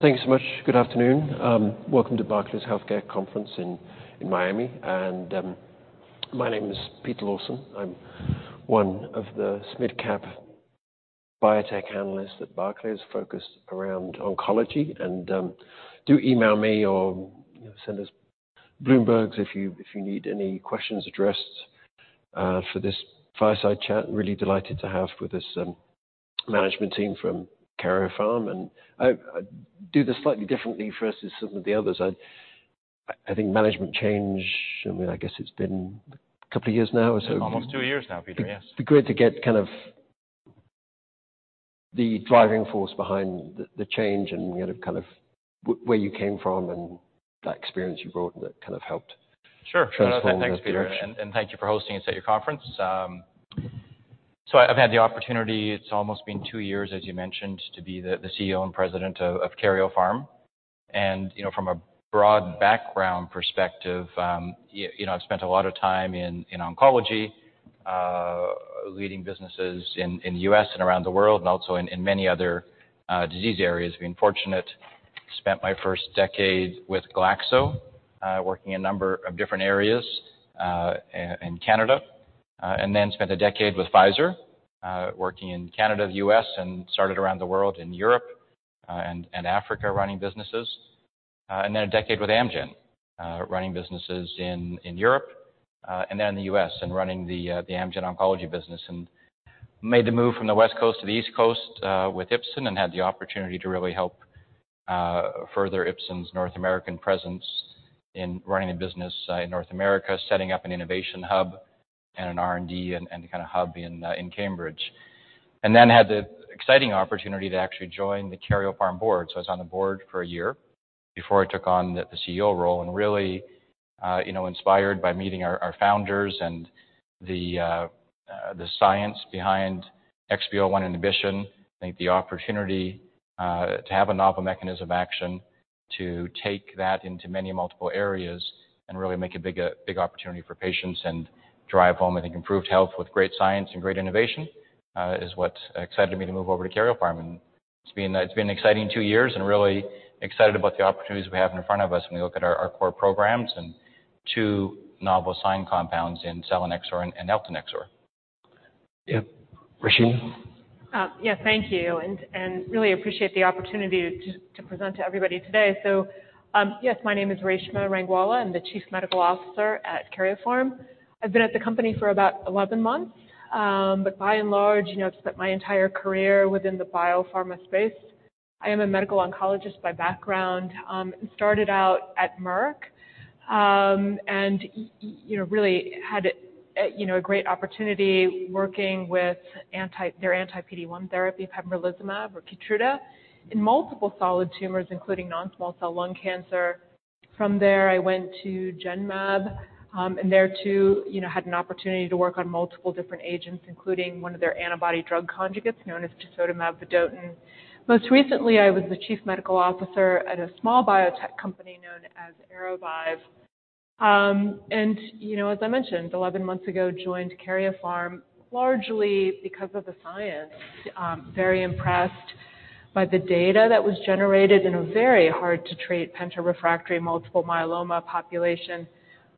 Thank you so much. Good afternoon. Welcome to Barclays Healthcare Conference in Miami. My name is Peter Lawson. I'm one of the mid-cap biotech analysts at Barclays, focused around oncology. Do email me or send us Bloomberg if you need any questions addressed for this fireside chat. Really delighted to have with us, management team from Karyopharm. I do this slightly differently versus some of the others. I think management change, I mean, I guess it's been a couple of years now or so. Almost two years now, Peter, yes. Be great to get kind of the driving force behind the change and kind of where you came from and that experience you brought that kind of. Sure. Transform that direction. Thanks, Peter. Thank you for hosting us at your conference. I've had the opportunity, it's almost been 2 years, as you mentioned, to be the CEO and president of Karyopharm. You know, from a broad background perspective, you know, I've spent a lot of time in oncology, leading businesses in the U.S. and around the world, and also in many other disease areas. Being fortunate, spent my first decade with Glaxo, working a number of different areas, in Canada. Spent a decade with Pfizer, working in Canada, the U.S., and started around the world in Europe, and Africa, running businesses. A decade with Amgen, running businesses in Europe, and then in the U.S., and running the Amgen oncology business. Made the move from the West Coast to the East Coast, with Ipsen and had the opportunity to really help further Ipsen's North American presence in running a business in North America, setting up an innovation hub and an R&D and a kinda hub in Cambridge. Then had the exciting opportunity to actually join the Karyopharm board. I was on the board for a year before I took on the CEO role and really, you know, inspired by meeting our founders and the science behind XPO1 inhibition. I think the opportunity to have a novel mechanism action, to take that into many multiple areas and really make a big opportunity for patients and drive home, I think, improved health with great science and great innovation, is what excited me to move over to Karyopharm. It's been an exciting 2 years and really excited about the opportunities we have in front of us when we look at our core programs and 2 novel SINE compounds in selinexor and eltanexor. Yeah. Reshma? Yeah, thank you. Really appreciate the opportunity to present to everybody today. Yes, my name is Reshma Rangwala. I'm the Chief Medical Officer at Karyopharm. I've been at the company for about 11 months, but by and large, you know, I've spent my entire career within the biopharma space. I am a medical oncologist by background. Started out at Merck, and, you know, really had a, you know, a great opportunity working with their anti-PD-1 therapy, pembrolizumab or Keytruda, in multiple solid tumors, including non-small cell lung cancer. From there, I went to Genmab, and there too, you know, had an opportunity to work on multiple different agents, including one of their antibody-drug conjugates known as tisotumab vedotin. Most recently, I was the chief medical officer at a small biotech company known as Aravive. You know, as I mentioned, 11 months ago, joined Karyopharm largely because of the science. Very impressed by the data that was generated in a very hard-to-treat penta-refractory multiple myeloma population,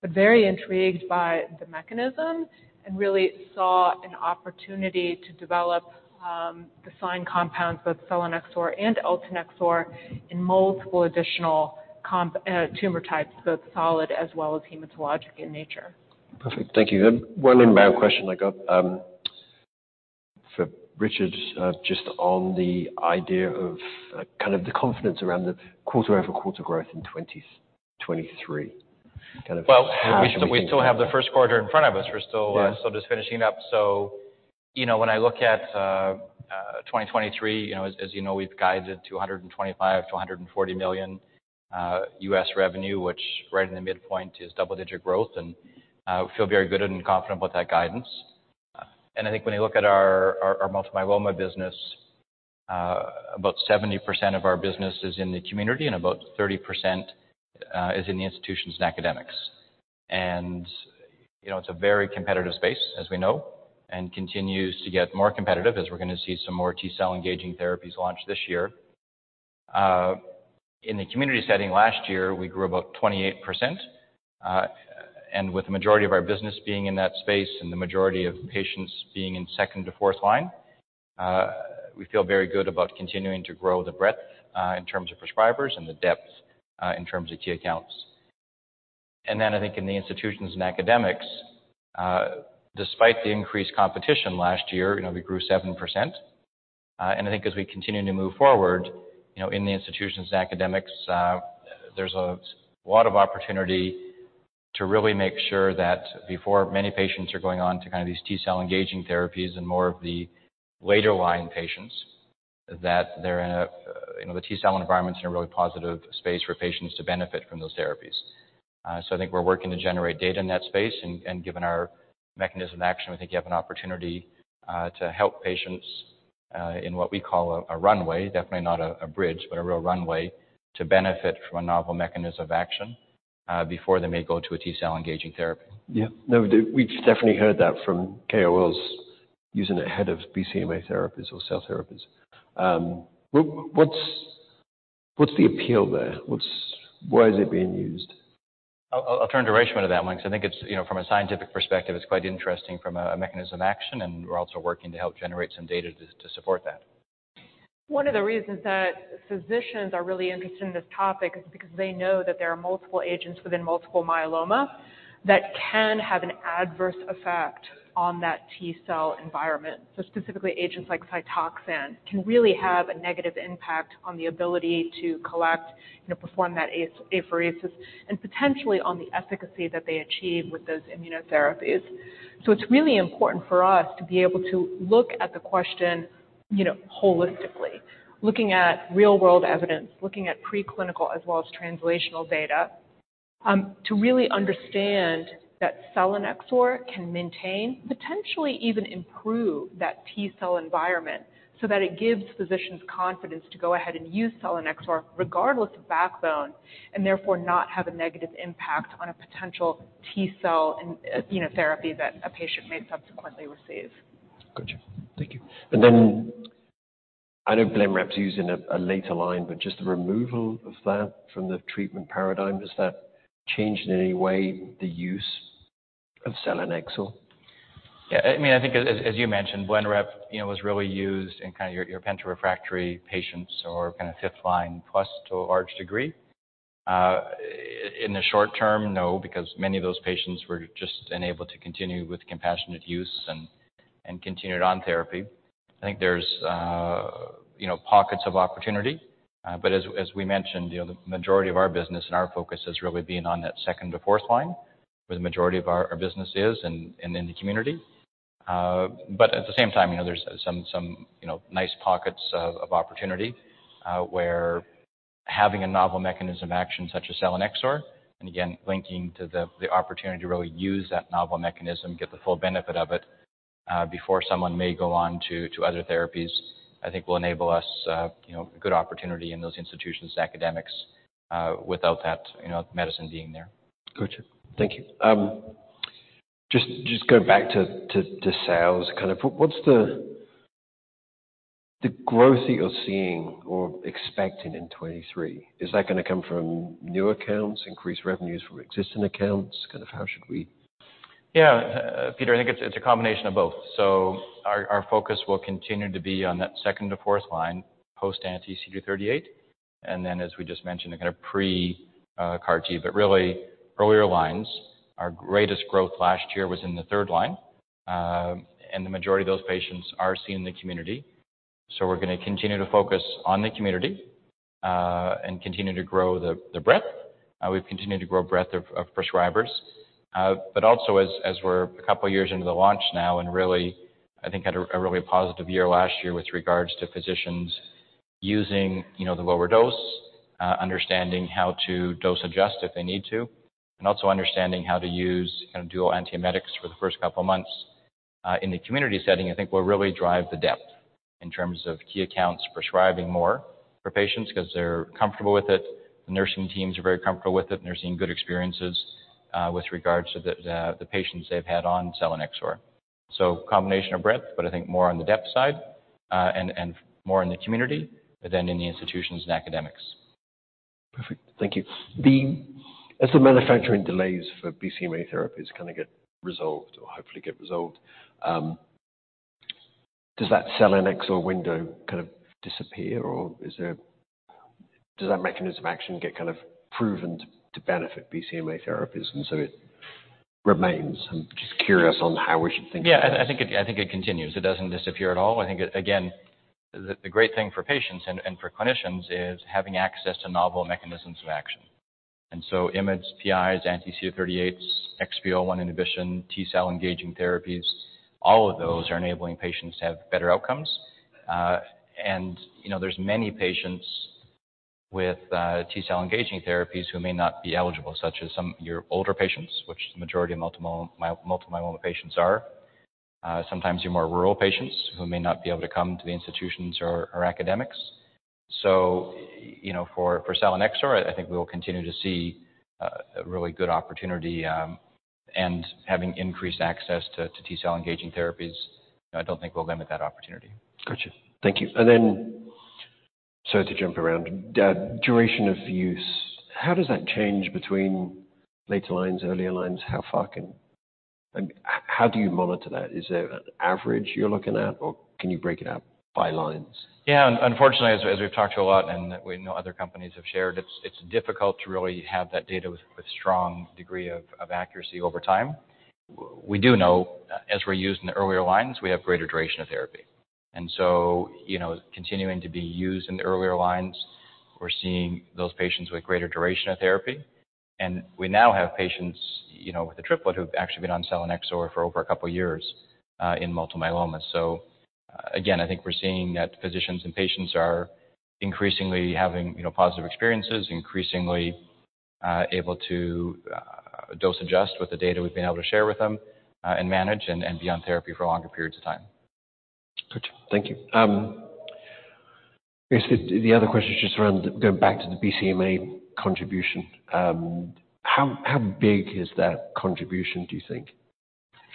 but very intrigued by the mechanism and really saw an opportunity to develop the SINE compounds, both selinexor and eltanexor, in multiple additional tumor types, both solid as well as hematologic in nature. Perfect. Thank you. One inbound question I got, for Richard, just on the idea of, kind of the confidence around the quarter-over-quarter growth in 2023. Kind of how should we think about that? Well, we still have the first quarter in front of us. Yeah. Uh, still just finishing up. So, you know, when I look at, uh, uh, twenty twenty-three, you know, as, as you know, we've guided to a hundred and twenty-five to a hundred and forty million, uh, US revenue, which right in the midpoint is double-digit growth, and, uh, we feel very good and confident with that guidance. Uh, and I think when you look at our, our, our multiple myeloma business, uh, about seventy percent of our business is in the community and about thirty percent, uh, is in the institutions and academics. And, you know, it's a very competitive space, as we know, and continues to get more competitive as we're gonna see some more T-cell engaging therapies launch this year. In the community setting last year, we grew about 28%, and with the majority of our business being in that space and the majority of patients being in 2nd to 4th line, we feel very good about continuing to grow the breadth, in terms of prescribers and the depth, in terms of key accounts. I think in the institutions and academics, despite the increased competition last year, you know, we grew 7%. I think as we continue to move forward, you know, in the institutions and academics, there's a lot of opportunity to really make sure that before many patients are going on to kinda these T-cell engaging therapies and more of the later line patients, that they're in a, you know, the T-cell environment is in a really positive space for patients to benefit from those therapies. I think we're working to generate data in that space, and given our mechanism action, we think we have an opportunity to help patients in what we call a runway, definitely not a bridge, but a real runway to benefit from a novel mechanism action before they may go to a T-cell engaging therapy. Yeah. No, we've definitely heard that from KOLs using it ahead of BCMA therapies or cell therapies. What, what's the appeal there? Why is it being used? I'll turn to Rashmi to that one because I think it's, you know, from a scientific perspective, it's quite interesting from a mechanism action, and we're also working to help generate some data to support that. One of the reasons that physicians are really interested in this topic is because they know that there are multiple agents within multiple myeloma that can have an adverse effect on that T cell environment. Specifically, agents like Cytoxan can really have a negative impact on the ability to collect, you know, perform that apheresis and potentially on the efficacy that they achieve with those immunotherapies. It's really important for us to be able to look at the question, you know, holistically, looking at real-world evidence, looking at preclinical as well as translational data to really understand that selinexor can maintain, potentially even improve that T cell environment so that it gives physicians confidence to go ahead and use selinexor regardless of backbone, and therefore not have a negative impact on a potential T cell and, you know, therapy that a patient may subsequently receive. Gotcha. Thank you. I know Blenrep's used in a later line, but just the removal of that from the treatment paradigm, has that changed in any way the use of selinexor? Yeah. I mean, I think as you mentioned, Blenrep, you know, was really used in kinda your penta-refractory patients or kinda fifth line plus to a large degree. In the short term, no, because many of those patients were just unable to continue with compassionate use and continued on therapy. I think there's, you know, pockets of opportunity. As we mentioned, you know, the majority of our business and our focus has really been on that second to fourth line, where the majority of our business is in the community. At the same time, you know, there's some, you know, nice pockets of opportunity, where having a novel mechanism action such as selinexor and again, linking to the opportunity to really use that novel mechanism, get the full benefit of it, before someone may go on to other therapies, I think will enable us, you know, a good opportunity in those institutions, academics, without that, you know, medicine being there. Gotcha. Thank you. Just go back to sales kind of. What's the growth that you're seeing or expecting in 23? Is that gonna come from new accounts, increased revenues from existing accounts? Kind of how should we- Yeah. Peter, I think it's a combination of both. Our focus will continue to be on that second to fourth line post anti-CD38. As we just mentioned, again, a pre CAR T, but really earlier lines. Our greatest growth last year was in the third line, and the majority of those patients are seen in the community. We're gonna continue to focus on the community, and continue to grow the breadth. We've continued to grow breadth of prescribers. Also as we're a couple of years into the launch now and really, I think had a really positive year last year with regards to physicians using, you know, the lower dose, understanding how to dose adjust if they need to, and also understanding how to use kind of dual antiemetics for the first couple of months in the community setting, I think will really drive the depth in terms of key accounts prescribing more for patients 'cause they're comfortable with it. The nursing teams are very comfortable with it, and they're seeing good experiences with regards to the patients they've had on selinexor. Combination of breadth, but I think more on the depth side, and more in the community than in the institutions and academics. Perfect. Thank you. As the manufacturing delays for BCMA therapies kind of get resolved or hopefully get resolved, does that selinexor window kind of disappear or is there... Does that mechanism action get kind of proven to benefit BCMA therapies, and so it remains? I'm just curious on how we should think about this. Yeah. I think it continues. It doesn't disappear at all. I think it. Again, the great thing for patients and for clinicians is having access to novel mechanisms of action. IMiDs, PIs, anti-CD38s, XPO1 inhibition, T-cell engaging therapies, all of those are enabling patients to have better outcomes. You know, there's many patients with T-cell engaging therapies who may not be eligible, such as some of your older patients, which the majority of multiple myeloma patients are. Sometimes your more rural patients who may not be able to come to the institutions or academics. You know, for selinexor, I think we will continue to see a really good opportunity, and having increased access to T-cell engaging therapies. I don't think we'll limit that opportunity. Gotcha. Thank you. Sorry to jump around. Duration of use, how does that change between later lines, earlier lines? How far can... how do you monitor that? Is there an average you're looking at or can you break it out by lines? Yeah. Unfortunately, as we've talked to a lot and we know other companies have shared, it's difficult to really have that data with strong degree of accuracy over time. We do know as we're used in the earlier lines, we have greater duration of therapy. You know, continuing to be used in the earlier lines, we're seeing those patients with greater duration of therapy. We now have patients, you know, with the triplet who've actually been on selinexor for over a couple of years in multiple myeloma. Again, I think we're seeing that physicians and patients are increasingly having, you know, positive experiences, increasingly able to dose adjust with the data we've been able to share with them and manage and be on therapy for longer periods of time. Gotcha. Thank you. I guess the other question is just around going back to the BCMA contribution. How big is that contribution, do you think,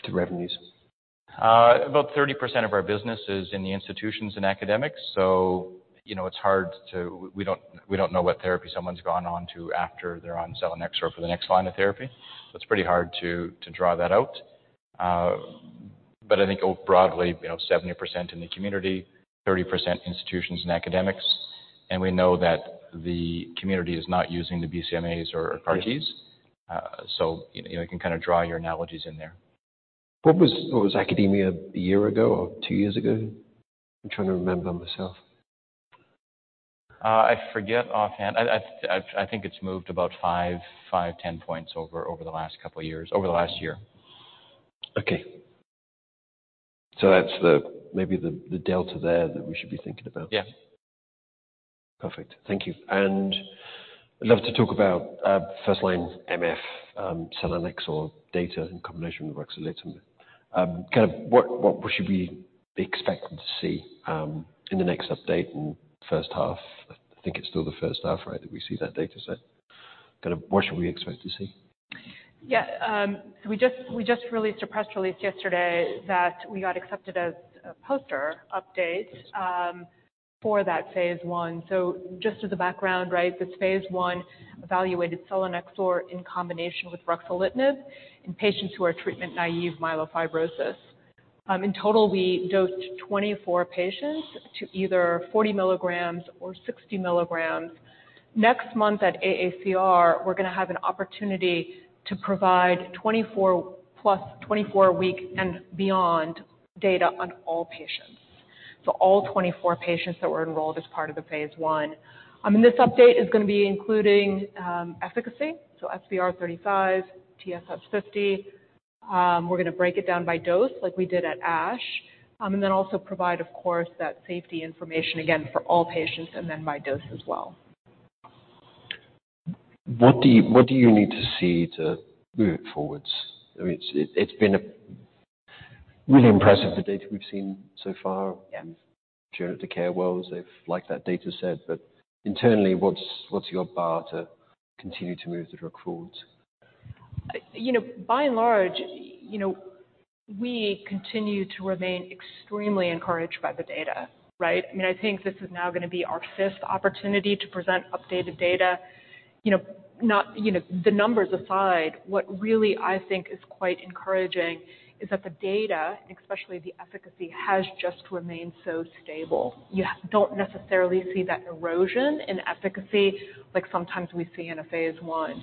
to revenues? About 30% of our business is in the institutions and academics. You know, we don't know what therapy someone's gone on to after they're on selinexor for the next line of therapy. It's pretty hard to draw that out. I think broadly, you know, 70% in the community, 30% institutions and academics, and we know that the community is not using the BCMAs or CAR Ts. You know, you can kinda draw your analogies in there. What was academia a year ago or two years ago? I'm trying to remember myself. I forget offhand. I think it's moved about 5-10 points over the last couple of years, over the last year. Okay. That's the, maybe the delta there that we should be thinking about. Yeah. Perfect. Thank you. I'd love to talk about first-line MF, selinexor data in combination with ruxolitinib. Kind of what should we be expecting to see in the next update in first half? I think it's still the first half, right, that we see that data set. Kinda what should we expect to see? Yeah. We just released a press release yesterday that we got accepted as a poster update for that phase I. Just as a background, right, this phase I evaluated selinexor in combination with ruxolitinib in patients who are treatment naive myelofibrosis. In total, we dosed 24 patients to either 40 milligrams or 60 milligrams. Next month at AACR, we're gonna have an opportunity to provide 24-plus, 24-week and beyond data on all patients. All 24 patients that were enrolled as part of the phase I. This update is gonna be including efficacy, SVR35, TSS50. We're gonna break it down by dose like we did at ASH, also provide, of course, that safety information again for all patients and then by dose as well. What do you need to see to move it forwards? I mean, it's been a really impressive, the data we've seen so far. Yeah. During the KOLs, they've liked that data set. Internally, what's your bar to continue to move the drug forward? You know, by and large, you know, we continue to remain extremely encouraged by the data, right? I mean, I think this is now gonna be our 5th opportunity to present updated data. You know, not, you know, the numbers aside, what really I think is quite encouraging is that the data, especially the efficacy, has just remained so stable. You don't necessarily see that erosion in efficacy like sometimes we see in a phase I.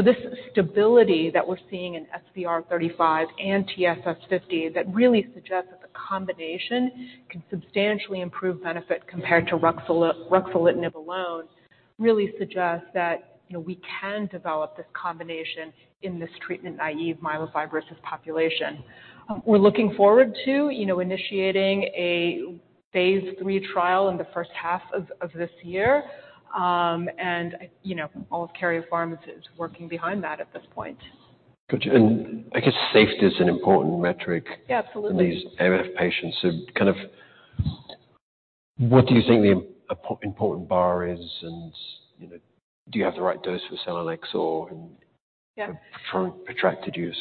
This stability that we're seeing in SVR35 and TSS50 that really suggests that the combination can substantially improve benefit compared to ruxolitinib alone, really suggests that, you know, we can develop this combination in this treatment naive myelofibrosis population. We're looking forward to, you know, initiating a phase III trial in the first half of this year. You know, all of Karyopharm is working behind that at this point. Got you. I guess safety is an important metric. Yeah, absolutely. In these MF patients. Kind of what do you think the important bar is? You know, do you have the right dose for selinexor? Yeah. For protracted use?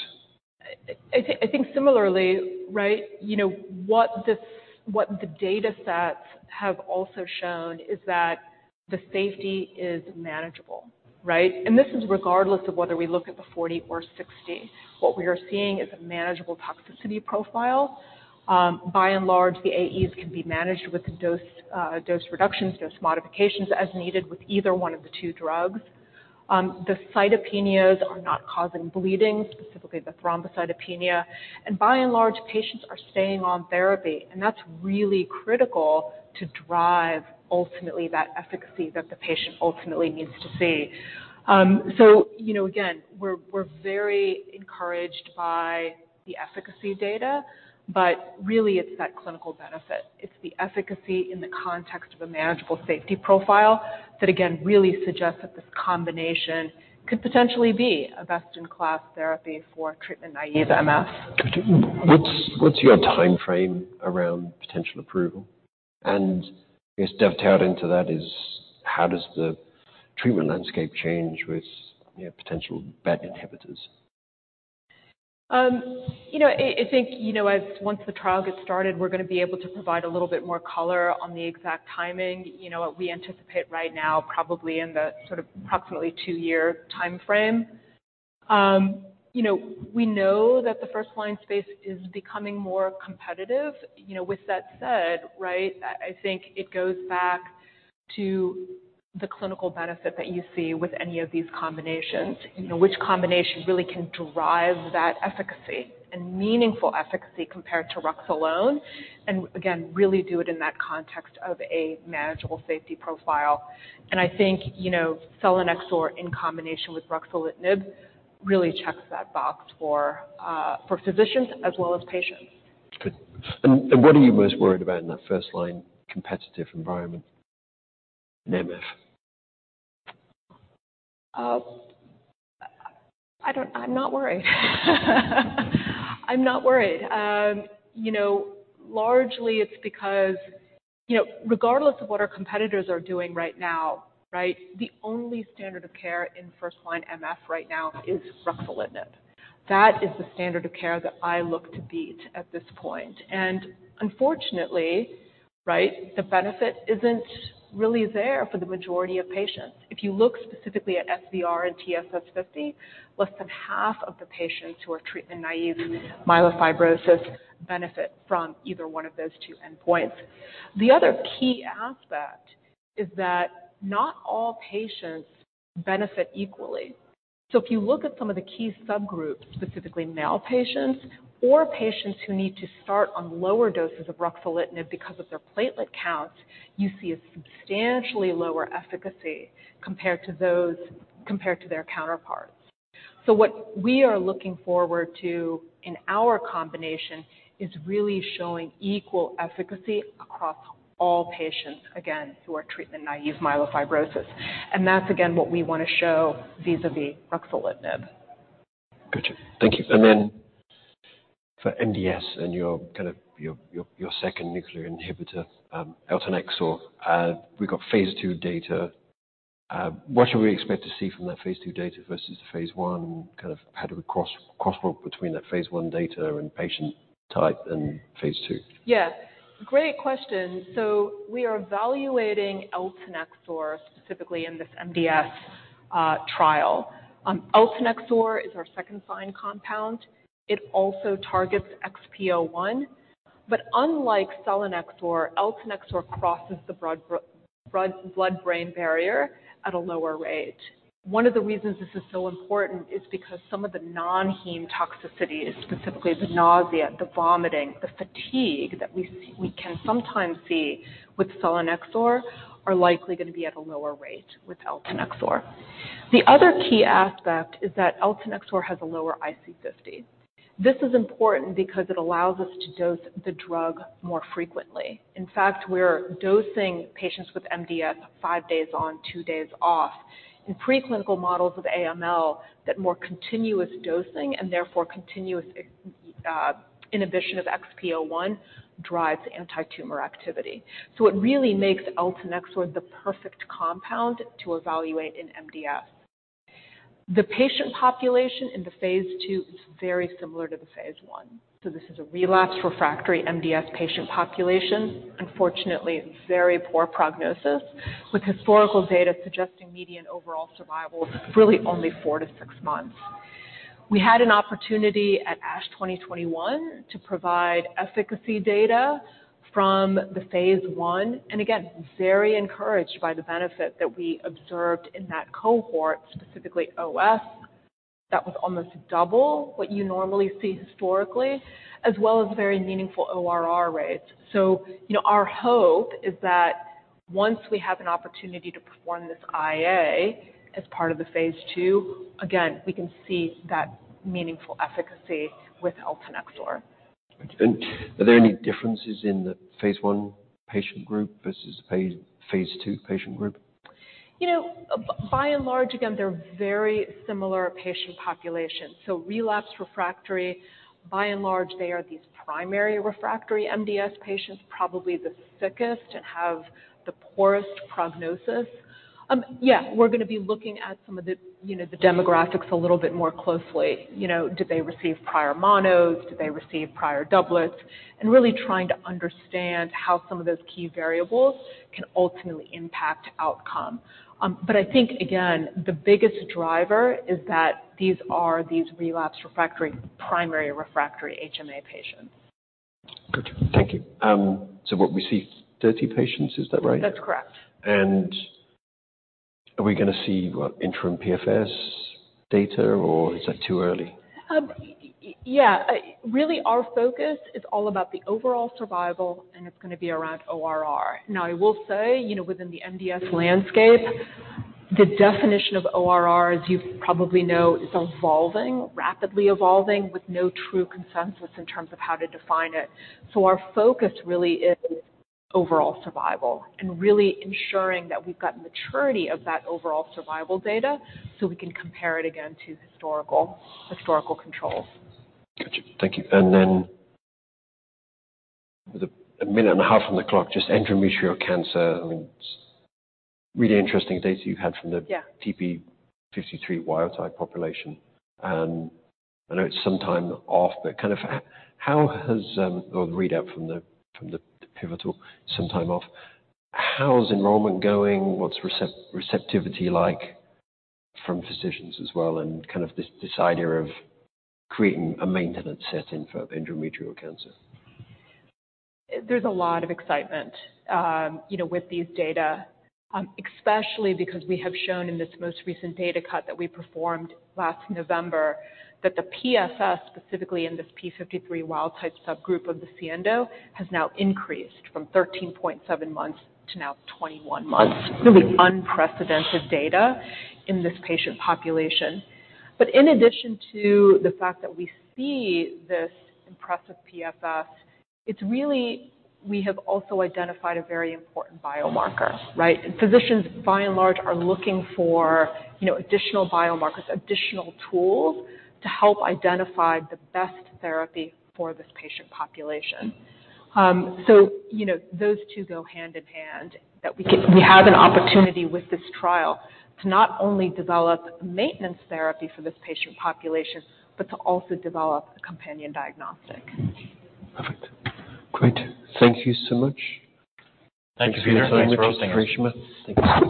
I think similarly, right, you know, what this, what the datasets have also shown is that the safety is manageable, right? This is regardless of whether we look at the 40 or 60. What we are seeing is a manageable toxicity profile. By and large, the AEs can be managed with dose reductions, dose modifications as needed with either one of the two drugs. The cytopenias are not causing bleeding, specifically the thrombocytopenia. By and large, patients are staying on therapy, that's really critical to drive ultimately that efficacy that the patient ultimately needs to see. You know, again, we're very encouraged by the efficacy data, but really it's that clinical benefit. It's the efficacy in the context of a manageable safety profile that again really suggests that this combination could potentially be a best-in-class therapy for treatment-naive MF. Got you. What's your timeframe around potential approval? I guess dovetailed into that is how does the treatment landscape change with, you know, potential BET inhibitors? you know, I think, you know, as once the trial gets started, we're gonna be able to provide a little bit more color on the exact timing. You know, what we anticipate right now probably in the sort of approximately two-year timeframe. you know, we know that the first-line space is becoming more competitive. You know, with that said, right, I think it goes back to the clinical benefit that you see with any of these combinations. You know, which combination really can drive that efficacy and meaningful efficacy compared to rux alone, and again, really do it in that context of a manageable safety profile. I think, you know, selinexor in combination with ruxolitinib really checks that box for physicians as well as patients. Good. What are you most worried about in that first-line competitive environment in MF? I'm not worried. I'm not worried. You know, largely it's because, you know, regardless of what our competitors are doing right now, right? The only standard of care in first-line MF right now is ruxolitinib. That is the standard of care that I look to beat at this point. Unfortunately, right, the benefit isn't really there for the majority of patients. If you look specifically at SVR and TSS50, less than half of the patients who are treatment naive myelofibrosis benefit from either 1 of those 2 endpoints. The other key aspect is that not all patients benefit equally. If you look at some of the key subgroups, specifically male patients or patients who need to start on lower doses of ruxolitinib because of their platelet count, you see a substantially lower efficacy compared to their counterparts. What we are looking forward to in our combination is really showing equal efficacy across all patients, again, who are treatment naive myelofibrosis. That's again what we want to show vis-à-vis ruxolitinib. Got you. Thank you. Then for MDS and your kind of, your second nuclear inhibitor, eltanexor, we got phase II data. What should we expect to see from that phase II data versus phase I, kind of how do we crosswalk between that phase I data and patient type in phase II? Yeah, great question. We are evaluating eltanexor specifically in this MDS trial. Eltanexor is our second SINE compound. It also targets XPO1. Unlike selinexor, eltanexor crosses the blood-brain barrier at a lower rate. One of the reasons this is so important is because some of the non-heme toxicities, specifically the nausea, the vomiting, the fatigue that we can sometimes see with selinexor, are likely going to be at a lower rate with eltanexor. The other key aspect is that eltanexor has a lower IC50. This is important because it allows us to dose the drug more frequently. In fact, we're dosing patients with MDS five days on, two days off. In preclinical models of AML, that more continuous dosing and therefore continuous inhibition of XPO1 drives antitumor activity. It really makes eltanexor the perfect compound to evaluate in MDS. The patient population in the phase II is very similar to the phase I. This is a relapsed refractory MDS patient population. Unfortunately, it's very poor prognosis, with historical data suggesting median overall survival is really only 4-6 months. We had an opportunity at ASH 2021 to provide efficacy data from the phase I, and again, very encouraged by the benefit that we observed in that cohort, specifically OS, that was almost double what you normally see historically, as well as very meaningful ORR rates. You know, our hope is that once we have an opportunity to perform this IA as part of the phase II, again, we can see that meaningful efficacy with eltanexor. Are there any differences in the phase I patient group versus the phase II patient group? You know, by and large, again, they're very similar patient populations. Relapsed refractory, by and large, they are these primary refractory MDS patients, probably the sickest and have the poorest prognosis. Yeah, we're going to be looking at some of the, you know, the demographics a little bit more closely. You know, did they receive prior monos? Did they receive prior doublets? Really trying to understand how some of those key variables can ultimately impact outcome. I think again, the biggest driver is that these are these relapsed refractory, primary refractory HMA patients. Got you. Thank you. What we see, 30 patients, is that right? That's correct. Are we gonna see what, interim PFS data or is that too early? Yeah. Really, our focus is all about the overall survival, and it's going to be around ORR. Now, I will say, you know, within the MDS landscape, the definition of ORR, as you probably know, is evolving, rapidly evolving, with no true consensus in terms of how to define it. Our focus really is overall survival and really ensuring that we've got maturity of that overall survival data so we can compare it again to historical controls. Got you. Thank you. With a minute and a half on the clock, just endometrial cancer. I mean, it's really interesting data you had from the. Yeah. TP53 wild type population. I know it's sometime off, but kind of how has, or the readout from the, from the pivotal sometime off. How's receptivity like from physicians as well, and kind of this idea of creating a maintenance setting for endometrial cancer? There's a lot of excitement, you know, with these data, especially because we have shown in this most recent data cut that we performed last November that the PFS, specifically in this p53 wild type subgroup of the SIENDO, has now increased from 13.7 months to now 21 months. Really unprecedented data in this patient population. In addition to the fact that we see this impressive PFS, we have also identified a very important biomarker, right? Physicians, by and large, are looking for, you know, additional biomarkers, additional tools to help identify the best therapy for this patient population. So, you know, those two go hand in hand, that we have an opportunity with this trial to not only develop maintenance therapy for this patient population, but to also develop a companion diagnostic. Perfect. Great. Thank you so much. Thank you for your time. Thanks for hosting us. Thank you so much, Dr. Reshma. Thank you.